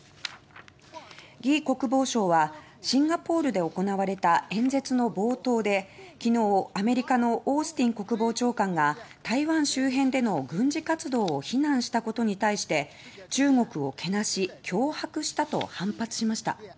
ギ国防相はシンガポールで行われた演説の冒頭で昨日、アメリカのオースティン国防長官が台湾周辺での軍事活動を非難したことに対し「中国をけなし、脅迫した」と反発しました。